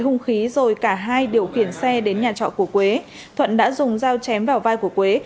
hung khí rồi cả hai điều khiển xe đến nhà trọ của quế thuận đã dùng dao chém vào vai của quế